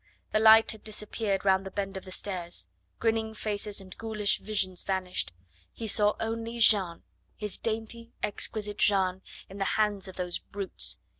The light had disappeared round the bend of the stairs; grinning faces and ghoulish visions vanished; he only saw Jeanne, his dainty, exquisite Jeanne, in the hands of those brutes.